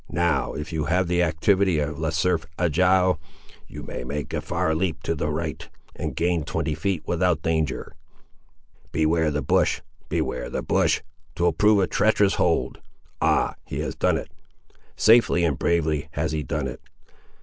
now, if you have the activity of Le Cerf Agile, you may make a far leap to the right, and gain twenty feet, without danger. Beware the bush—beware the bush! 'twill prove a treacherous hold! Ah! he has done it; safely and bravely has he done it!